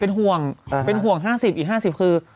เป็นห่วง๕๐ผลอีก๕๐หรือ